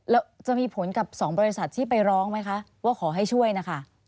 แล้วจะมีผลกับ๒บริษัทที่ไปร้องไหมคะว่าขอให้ช่วยนะคะ